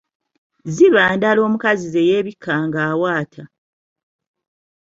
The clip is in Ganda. Ziba ndala omukazi ze yeebikka ng'awaata.